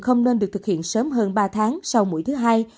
không nên được thực hiện sớm hơn ba tháng sau mũi thứ hai